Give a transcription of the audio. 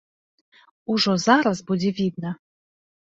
Ужо зараз будзе відна.